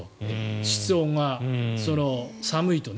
室温が寒いとね。